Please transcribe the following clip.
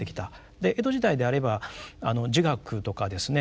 で江戸時代であれば儒学とかですね